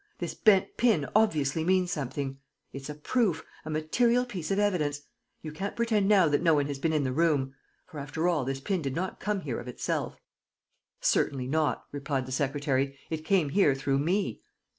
This bent pin obviously means something. It's a proof, a material piece of evidence. You can't pretend now that no one has been in the room. For, after all, this pin did not come here of itself." "Certainly not," replied the secretary. "It came here through me."